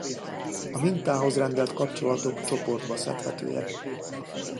A mintához rendelt kapcsolatok csoportba szedhetőek.